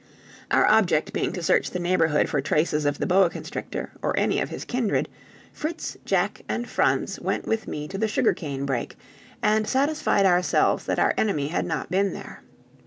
Our object being to search the neighborhood for traces of the boa constrictor, or any of his kindred, Fritz, Jack, and Franz went with me to the sugar cane brake, and satisfied ourselves that our enemy had not been there.